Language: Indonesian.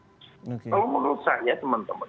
kalau menurut saya teman teman